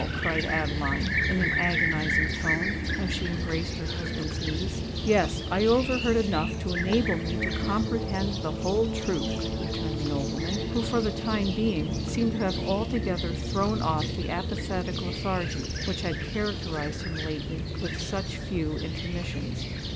cried Adeline, in an agonising tone, as she embraced her husband's knees. "Yes—I overheard enough to enable me to comprehend the whole truth," returned the nobleman, who for the time being seemed to have altogether thrown off the apathetic lethargy which had characterised him lately with such few intermissions.